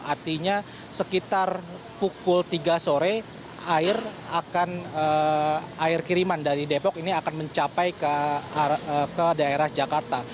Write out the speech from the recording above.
artinya sekitar pukul tiga sore air kiriman dari depok ini akan mencapai ke daerah jakarta